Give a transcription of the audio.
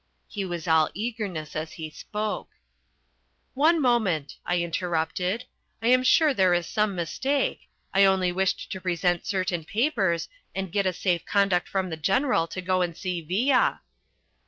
He was all eagerness as he spoke. "One moment," I interrupted. "I am sure there is some mistake. I only wished to present certain papers and get a safe conduct from the General to go and see Villa."